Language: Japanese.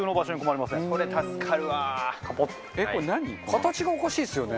形がおかしいですよね。